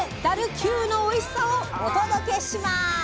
ダル級のおいしさをお届けします！